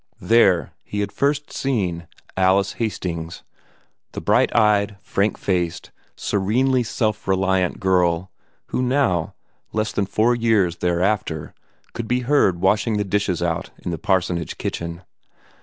There he had first seen Alice Hastings, the bright eyed, frank faced, serenely self reliant girl, who now, less than four years thereafter, could be heard washing the dishes out in the parsonage kitchen.